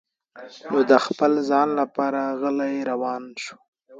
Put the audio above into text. نو د خپل ځان لپاره غلی روان شو.